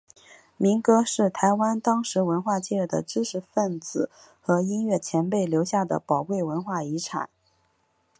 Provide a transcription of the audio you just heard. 民歌是台湾当时文化界的知识份子和音乐前辈留下的宝贵的文化遗产。